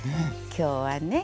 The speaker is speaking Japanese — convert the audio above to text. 今日はね